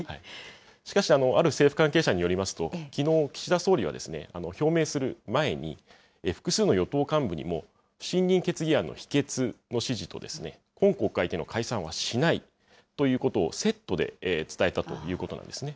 しかしある政府関係者によりますと、きのう、岸田総理は表明する前に、複数の与党幹部にも不信任決議案の否決と、今国会での解散はしないということをセットで伝えたということなんですね。